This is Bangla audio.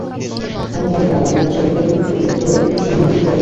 আমার ধারণা, আমরা জলবায়ুর পরিবর্তনের একদম সন্নিকটে দাঁড়িয়ে আছি।